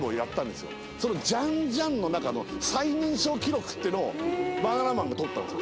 そのジァン・ジァンの中の最年少記録っていうのをバナナマンがとったんですよ